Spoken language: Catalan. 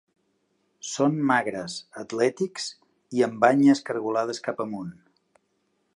Són magres, atlètics i amb banyes cargolades cap amunt.